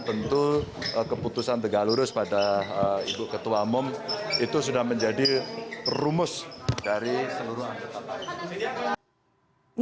tentu keputusan tegak lurus pada ibu ketua umum itu sudah menjadi rumus dari seluruh anggota partai